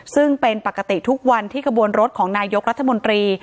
ซึ่งเป็นปกติทุกวันที่กระบวนรถของนายกรัฐมนตรี